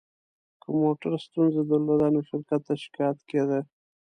که موټر ستونزه درلوده، نو شرکت ته شکایت کېده.